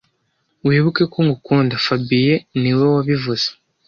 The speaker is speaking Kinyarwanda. Wibuke ko ngukunda fabien niwe wabivuze